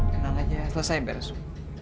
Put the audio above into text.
tenang aja selesai beresu